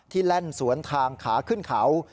แล่นสวนทางขาขึ้นเขา